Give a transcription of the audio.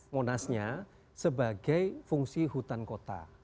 monas nya sebagai fungsi hutan kota